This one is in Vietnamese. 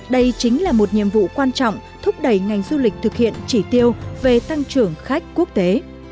đây chính là một nhiệm vụ quan trọng thúc đẩy ngành du lịch thực hiện chỉ tiêu về tăng trưởng khách quốc tế